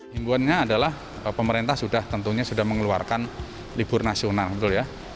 hingguannya adalah pemerintah sudah tentunya mengeluarkan libur nasional